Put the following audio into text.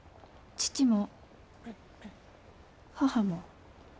父も母も。